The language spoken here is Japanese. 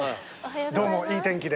どうもいい天気で。